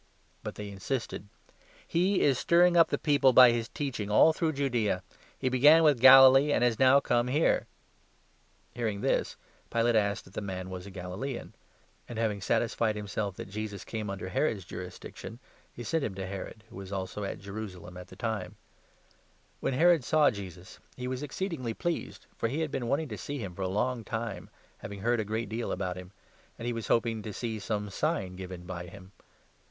But they insisted : 5 " He is stirring up the people by his teaching all through Judaea ; he began with Galilee and has now come here." Hearing this, Pilate asked if the man was a Galilaean ; and, 6, 7 having satisfied himself that Jesus came under Herod's juris diction, he sent him to Herod, who also was at Jerusalem at the Jesus before time. When Herod saw Jesus, he was ex 8 Herod. ceed'mgly pleased, for he had been wanting to see him for a long time, having heard a great deal about him ; and he was hoping to see some sign given by him.